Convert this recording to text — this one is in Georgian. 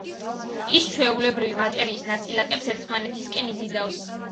ის ჩვეულებრივი მატერიის ნაწილაკებს ერთმანეთისკენ იზიდავს.